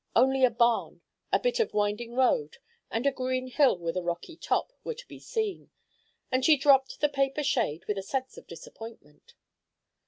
Only a barn, a bit of winding road, and a green hill with a rocky top, were to be seen; and she dropped the paper shade with a sense of disappointment.